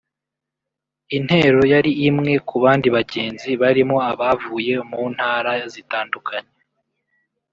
Intero yari imwe ku bandi bagenzi barimo abavuye mu ntara zitandukanye